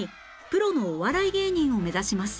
プロのお笑い芸人を目指します